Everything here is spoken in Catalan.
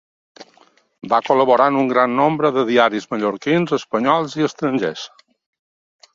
Va col·laborar en un gran nombre de diaris mallorquins, espanyols i estrangers.